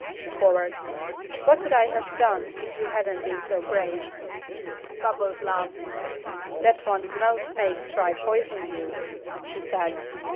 she quavered. "What would I have done if you hadn't been so brave?" Bubbles laughed. "Dat wan't no snake to pison yuh," she said.